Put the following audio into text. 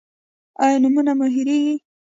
ایا نومونه مو هیریږي؟